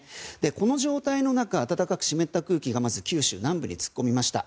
この状態の中暖かく湿った空気が九州南部に突っ込みました。